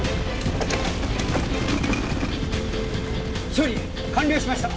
処理完了しました！